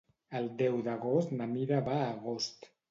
El deu d'agost na Mira va a Agost.